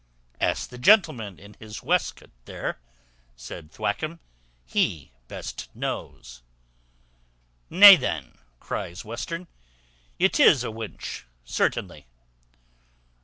"Ask the gentleman in his waistcoat there," said Thwackum: "he best knows." "Nay then," cries Western, "it is a wench certainly.